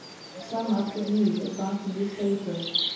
"To sum up the views advanced in this paper.